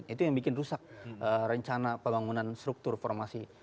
itu yang bikin rusak rencana pembangunan struktur formasi